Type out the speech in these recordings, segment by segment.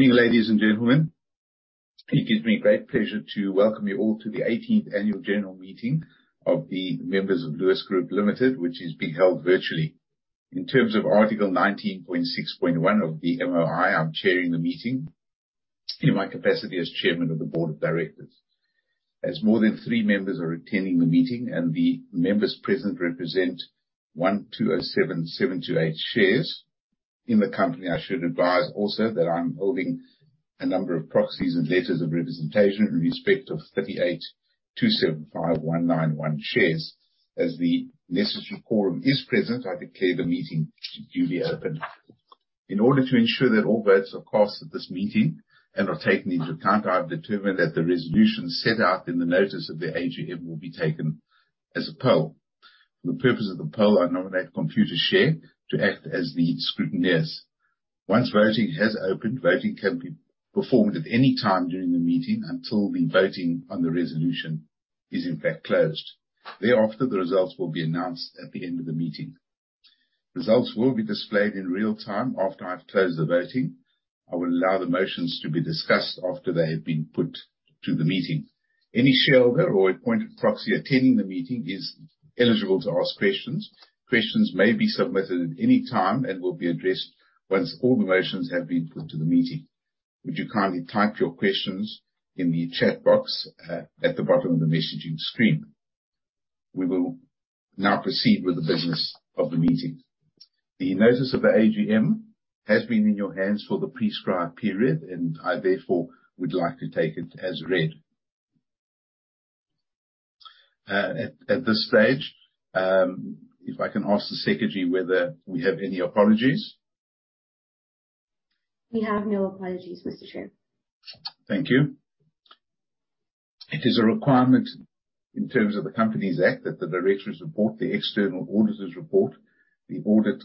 Morning, ladies and gentlemen. It gives me great pleasure to welcome you all to the eighteenth annual general meeting of the members of Lewis Group Limited, which is being held virtually. In terms of Article 19.6.1 of the MOI, I'm chairing the meeting in my capacity as chairman of the board of directors. As more than three members are attending the meeting and the members present represent 1,27,728 shares in the company. I should advise also that I'm holding a number of proxies and letters of representation in respect of 38,275,191 shares. As the necessary quorum is present, I declare the meeting duly opened. In order to ensure that all votes are cast at this meeting and are taken into account, I have determined that the resolution set out in the notice of the AGM will be taken as a poll. For the purpose of the poll, I nominate Computershare to act as the scrutineers. Once voting has opened, voting can be performed at any time during the meeting until the voting on the resolution is in fact closed. Thereafter, the results will be announced at the end of the meeting. Results will be displayed in real time after I've closed the voting. I will allow the motions to be discussed after they have been put to the meeting. Any shareholder or appointed proxy attending the meeting is eligible to ask questions. Questions may be submitted at any time and will be addressed once all the motions have been put to the meeting. Would you kindly type your questions in the chat box at the bottom of the messaging screen. We will now proceed with the business of the meeting. The notice of the AGM has been in your hands for the prescribed period, and I therefore would like to take it as read. At this stage, if I can ask the secretary whether we have any apologies. We have no apologies, Mr. Chair. Thank you. It is a requirement in terms of the Companies Act that the director's report, the external auditor's report, the audit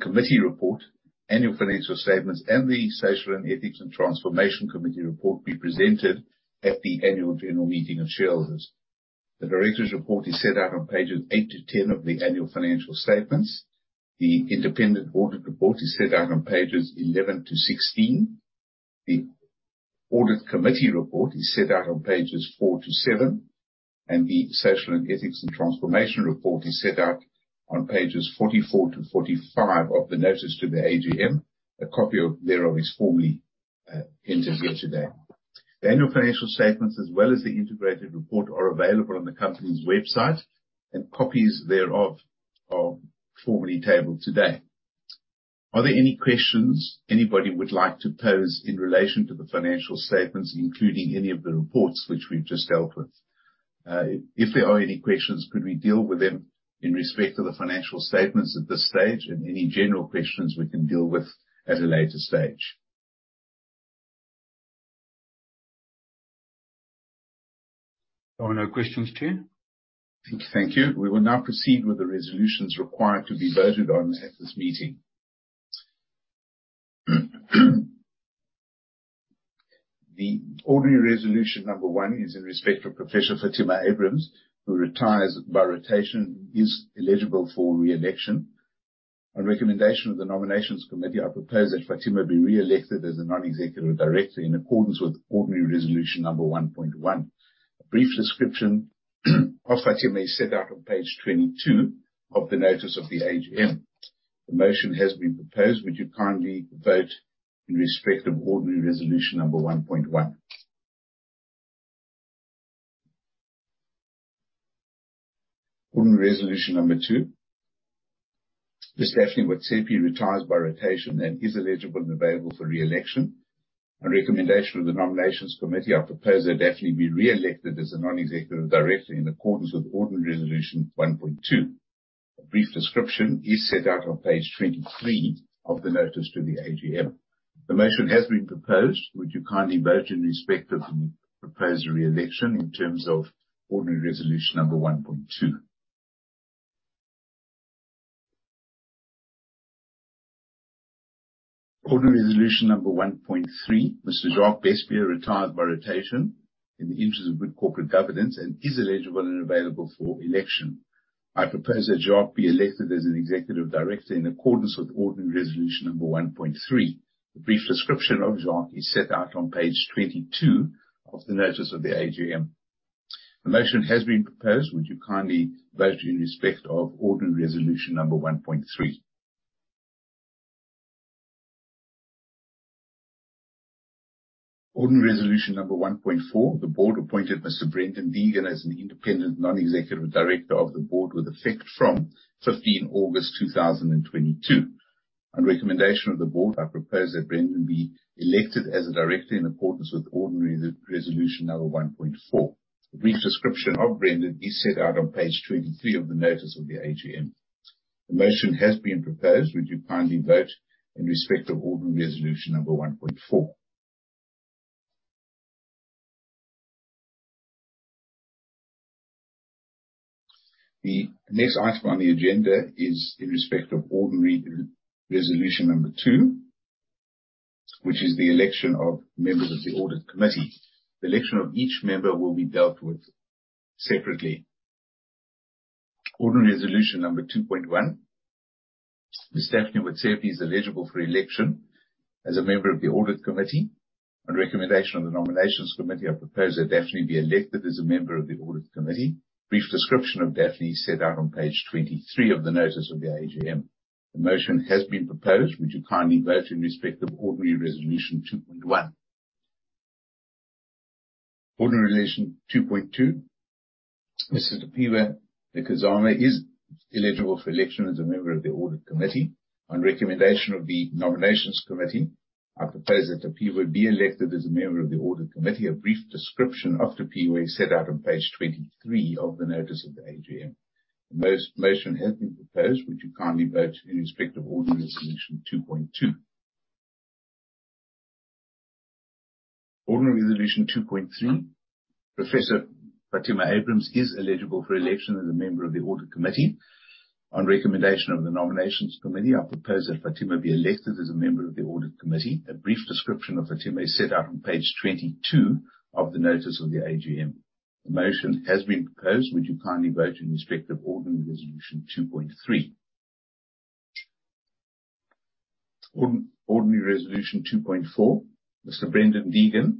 committee report, annual financial statements, and the social and ethics and transformation committee report be presented at the annual general meeting of shareholders. The director's report is set out on pages eight to 10 of the annual financial statements. The independent audit report is set out on pages 11 to 16. The audit committee report is set out on pages four to seven, and the social and ethics and transformation report is set out on pages 44 to 45 of the notice to the AGM. A copy thereof is formally entered here today. The annual financial statements, as well as the integrated report, are available on the company's website, and copies thereof are formally tabled today. Are there any questions anybody would like to pose in relation to the financial statements, including any of the reports which we've just dealt with? If there are any questions, could we deal with them in respect of the financial statements at this stage and any general questions we can deal with at a later stage? There are no questions, chair. Thank you. We will now proceed with the resolutions required to be voted on at this meeting. The ordinary resolution number one is in respect of Professor Fatima Abrahams, who retires by rotation, is eligible for re-election. On recommendation of the nominations committee, I propose that Fatima be re-elected as a non-executive director in accordance with ordinary resolution number 1.1. A brief description of Fatima is set out on page 22 of the notice of the AGM. The motion has been proposed. Would you kindly vote in respect of ordinary resolution number 1.1. Ordinary resolution number two. Ms. Daphne Motsepe retires by rotation and is eligible and available for re-election. On recommendation of the nominations committee, I propose that Daphne be re-elected as a non-executive director in accordance with ordinary resolution 1.2. A brief description is set out on page 23 of the notice to the AGM. The motion has been proposed. Would you kindly vote in respect of the proposed re-election in terms of ordinary resolution number 1.2. Ordinary resolution number 1.3. Mr. Jacques Bestbier retires by rotation in the interest of good corporate governance and is eligible and available for election. I propose that Jacques be elected as an executive director in accordance with ordinary resolution number 1.3. A brief description of Jacques is set out on page 22 of the notice of the AGM. The motion has been proposed. Would you kindly vote in respect of ordinary resolution number 1.3. Ordinary resolution number 1.4. The board appointed Mr. Brendan Deegan as an independent non-executive director of the board with effect from 15 August 2022. On recommendation of the board, I propose that Brendan be elected as a director in accordance with ordinary resolution number 1.4. A brief description of Brendan is set out on page 23 of the notice of the AGM. The motion has been proposed. Would you kindly vote in respect of ordinary resolution number 1.4? The next item on the agenda is in respect of ordinary resolution number two, which is the election of members of the audit committee. The election of each member will be dealt with separately. Ordinary resolution number 2.1. Ms. Daphne Motsepe is eligible for election as a member of the audit committee. On recommendation of the nominations committee, I propose that Daphne be elected as a member of the audit committee. Brief description of Daphne is set out on page 23 of the notice of the AGM. The motion has been proposed. Would you kindly vote in respect of ordinary resolution 2.1. Ordinary resolution 2.2. Mr. Tapiwa Njikizana is eligible for election as a member of the audit committee. On recommendation of the nominations committee, I propose that Tapiwa be elected as a member of the audit committee. A brief description of Tapiwa is set out on page 23 of the notice of the AGM. The motion has been proposed. Would you kindly vote in respect of ordinary resolution 2.2. Ordinary resolution 2.3. Professor Fatima Abrahams is eligible for election as a member of the audit committee. On recommendation of the nominations committee, I propose that Fatima be elected as a member of the audit committee. A brief description of Fatima is set out on page 22 of the notice of the AGM. The motion has been proposed. Would you kindly vote in respect of ordinary resolution 2.3. Ordinary resolution 2.4. Mr. Brendan Deegan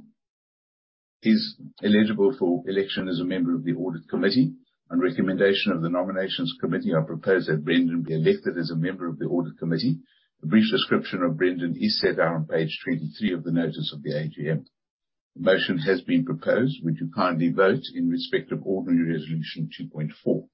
is eligible for election as a member of the audit committee. On recommendation of the nominations committee, I propose that Brendan be elected as a member of the audit committee. A brief description of Brendan is set out on page 23 of the notice of the AGM. The motion has been proposed. Would you kindly vote in respect of ordinary resolution 2.4.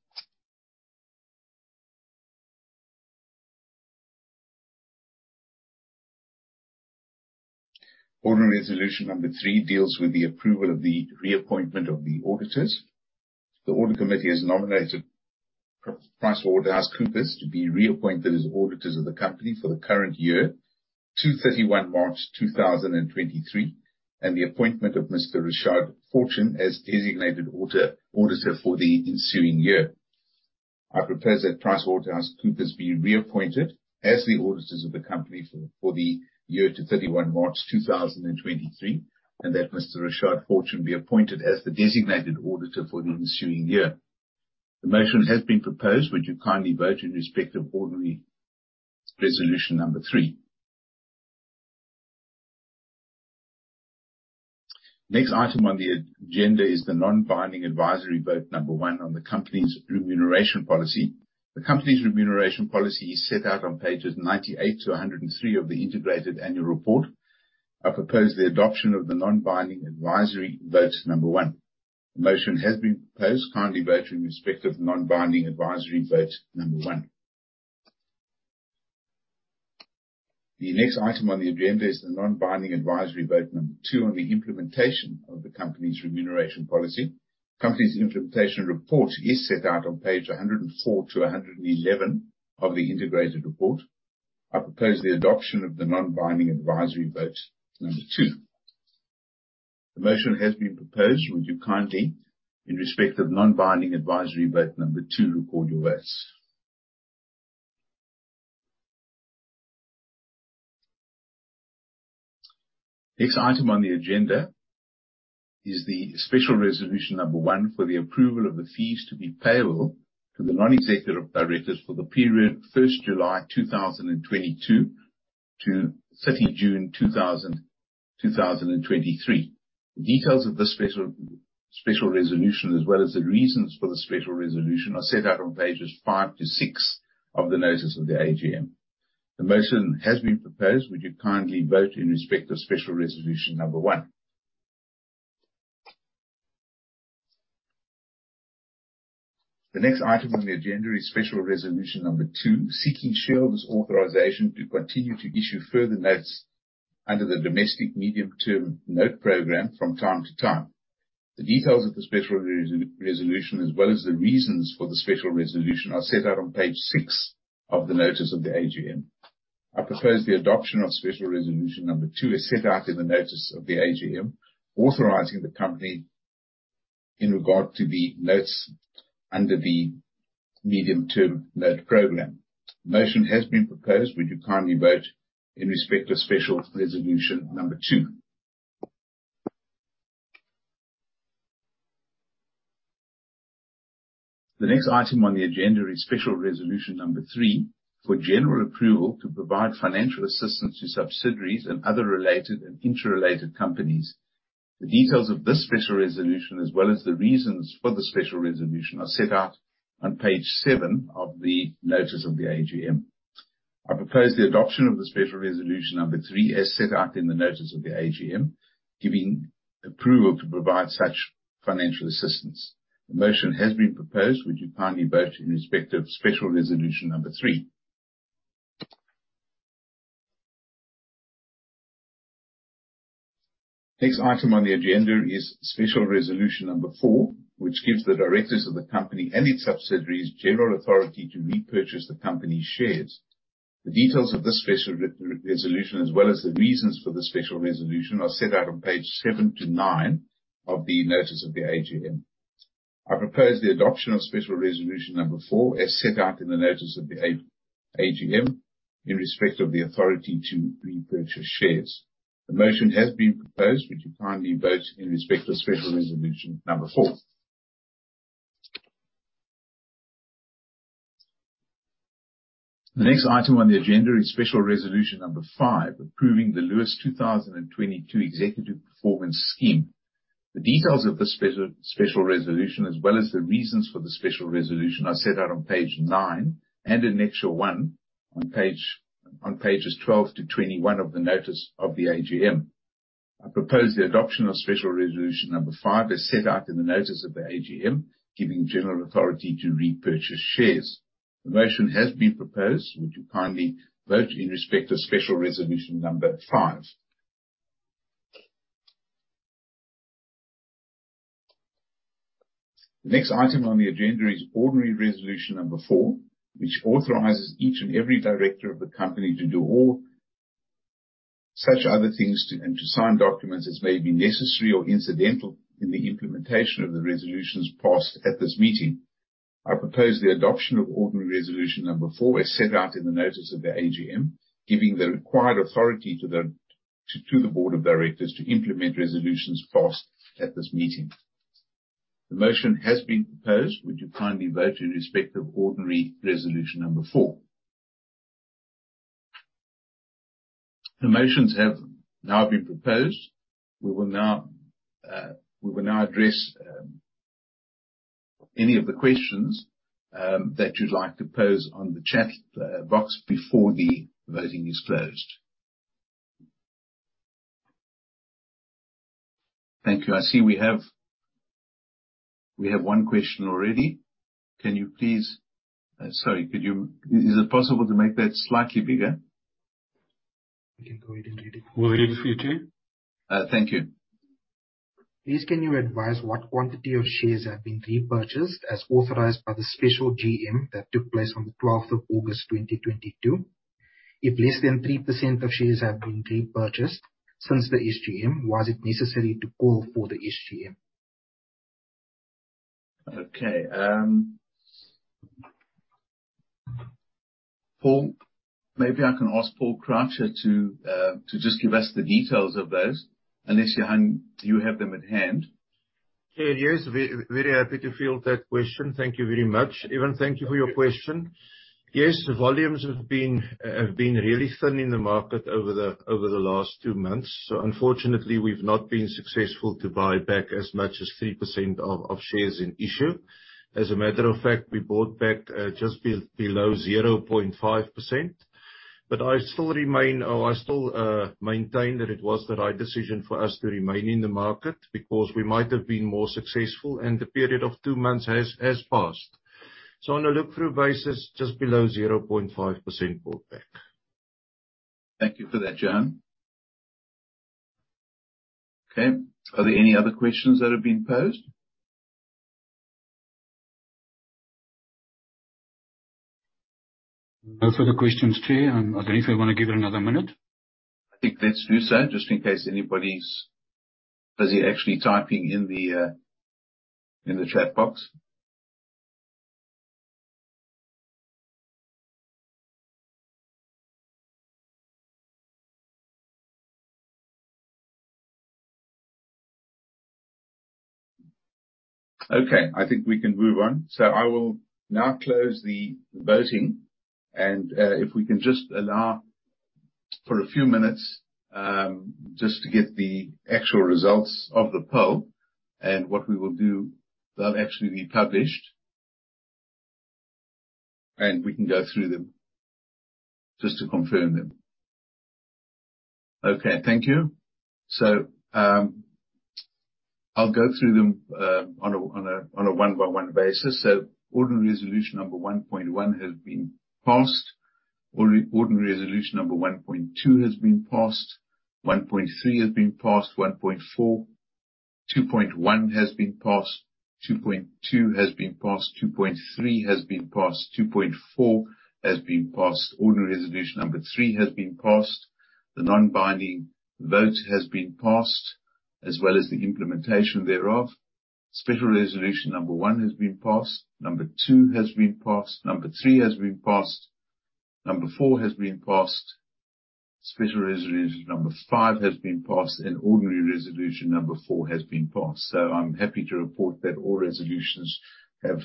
Ordinary resolution number three deals with the approval of the reappointment of the auditors. The audit committee has nominated PricewaterhouseCoopers to be reappointed as auditors of the company for the current year, 31 March 2023, and the appointment of Mr. Richard Fortune as designated auditor for the ensuing year. I propose that PricewaterhouseCoopers be reappointed as the auditors of the company for the year to 31 March 2023, and that Mr. Richard Fortune be appointed as the designated auditor for the ensuing year. The motion has been proposed. Would you kindly vote in respect of ordinary resolution number three. Next item on the agenda is the non-binding advisory vote number one on the company's remuneration policy. The company's remuneration policy is set out on pages 98 to 103 of the integrated annual report. I propose the adoption of the non-binding advisory vote number one. The motion has been proposed. Kindly vote in respect of non-binding advisory vote number one. The next item on the agenda is the non-binding advisory vote number two on the implementation of the company's remuneration policy. Company's implementation report is set out on page 104 to 111 of the integrated report. I propose the adoption of the non-binding advisory vote number two. The motion has been proposed. Would you kindly, in respect of non-binding advisory vote number two, record your votes. Next item on the agenda Special Resolution Number one for the approval of the fees to be payable to the non-executive directors for the period 1 July 2022 to 30 June 2023. The details of the special resolution, as well as the reasons for the special resolution, are set out on pages five to six of the notice of the AGM. The motion has been proposed. Would you kindly vote in of Special Resolution Number one. The next item on the Special Resolution Number two, seeking shareholders' authorization to continue to issue further notes under the Domestic Medium-Term Note Program from time to time. The details of the special resolution, as well as the reasons for the special resolution, are set out on page 6 of the notice of the AGM. I propose the Special Resolution Number two, as set out in the notice of the AGM, authorizing the company in regard to the notes under the Medium-Term Note Program. The motion has been proposed. Would you kindly vote in Special Resolution Number two? the next item on the Special Resolution Number three for general approval to provide financial assistance to subsidiaries and other related and interrelated companies. The details of this special resolution, as well as the reasons for the special resolution, are set out on page seven of the notice of the AGM. I propose the adoption Special Resolution Number three, as set out in the notice of the AGM, giving approval to provide such financial assistance. The motion has been proposed. Would you kindly vote in Special Resolution Number three? next item on the Special Resolution Number four, which gives the directors of the company and its subsidiaries general authority to repurchase the company's shares. The details of this special resolution, as well as the reasons for the special resolution, are set out on page seven to nine of the notice of the AGM. I propose the Special Resolution Number four, as set out in the notice of the AGM, in respect of the authority to repurchase shares. The motion has been proposed. Would you kindly vote in Special Resolution Number four. the next item on the Special Resolution Number five, approving the Lewis 2023 Executive Performance Plan. The details of the special resolution, as well as the reasons for the special resolution, are set out on page nine and in annexure one on pages 12 to 21 of the notice of the AGM. I propose the Special Resolution Number five, as set out in the notice of the AGM, giving general authority to repurchase shares. The motion has been proposed. Would you kindly vote in to Special Resolution Number five. The next item on the agenda is ordinary resolution number four, which authorizes each and every director of the company to do all such other things, and to sign documents as may be necessary or incidental in the implementation of the resolutions passed at this meeting. I propose the adoption of ordinary resolution number four, as set out in the notice of the AGM, giving the required authority to the board of directors to implement resolutions passed at this meeting. The motion has been proposed. Would you kindly vote in respect of ordinary resolution number four? The motions have now been proposed. We will now address any of the questions that you'd like to pose on the chat box before the voting is closed. Thank you. I see we have one question already. Can you please. Sorry, is it possible to make that slightly bigger? We can go ahead and read it. We'll read it for you, Chair. Thank you. Please, can you advise what quantity of shares have been repurchased as authorized by the SGM that took place on the 12th of August 2022? If less than 3% of shares have been repurchased since the SGM, was it necessary to call for the SGM? Okay. Paul, maybe I can ask Paul Croucher to just give us the details of those, unless Johan, you have them at hand. Very happy to field that question. Thank you very much. Evan, thank you for your question. Yes, the volumes have been really thin in the market over the last two months, so unfortunately we've not been successful to buy back as much as 3% of shares in issue. As a matter of fact, we bought back just below 0.5%. I still maintain that it was the right decision for us to remain in the market, because we might have been more successful, and the period of two months has passed. On a look-through basis, just below 0.5% bought back. Thank you for that, Johan. Okay. Are there any other questions that have been posed? No further questions, Chair. I don't know if you wanna give it another minute. I think let's do so, just in case anybody's busy actually typing in the chat box. Okay, I think we can move on. I will now close the voting and, if we can just allow for a few minutes, just to get the actual results of the poll. What we will do, they'll actually be published, and we can go through them just to confirm them. Okay, thank you. I'll go through them on a one-by-one basis. Ordinary resolution number 1.1 has been passed. Ordinary Resolution Number three has been passed. The non-binding vote has been passed, as well as the Special Resolution Number one has been passed. Number two has been passed. Number three has been passed. Number four has Special Resolution Number five has been passed, and ordinary resolution number four has been passed. I'm happy to report that all resolutions have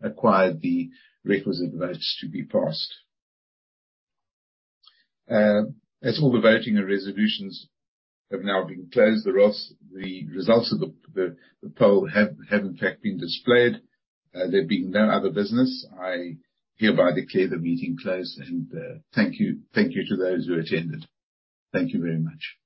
acquired the requisite votes to be passed. As all the voting and resolutions have now been closed, the results of the poll have in fact been displayed. There being no other business, I hereby declare the meeting closed. Thank you. Thank you to those who attended. Thank you very much.